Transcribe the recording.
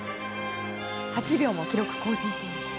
８秒も記録更新したんです。